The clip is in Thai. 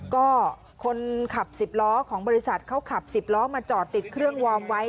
ก็คนขับ๑๐ล้อของบริษัทเขาขับ๑๐ล้อมาจอดติดเครื่องวอร์มไว้